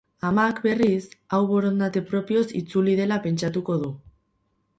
Amak, berriz, hau borondate propioz itzuli dela pentsatuko du.